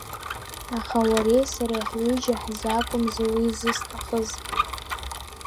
Аха уареи сареи ҳҩыџьа ҳзы акәымзи уи зысҭахыз?